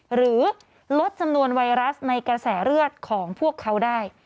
หรือลดจำนวนไวรัสในกระแสเลือดของพวกเขาได้